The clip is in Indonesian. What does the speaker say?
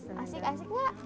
asik asik enggak